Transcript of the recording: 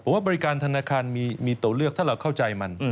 ว่าบริการธนาคารมีตัวเลือกถ้าเราเข้าใจมัน